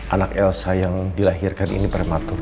anak elsa yang dilahirkan ini prematur